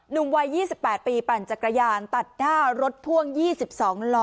หนุ่มวัย๒๘ปีปั่นจักรยานตัดหน้ารถพ่วง๒๒ล้อ